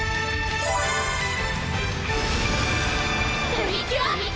プリキュア！